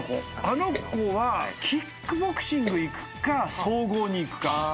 あの子はキックボクシング行くか総合に行くか。